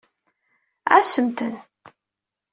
Ɛassem-tent.